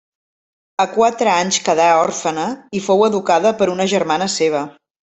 A quatre anys quedà òrfena i fou educada per una germana seva.